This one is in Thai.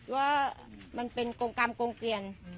ว่ามันเป็นกรงกรรมกงเกลียน